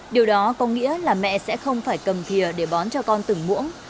điều đó có nghĩa là mẹ sẽ không phải cầm thì để bón cho con từng muỗng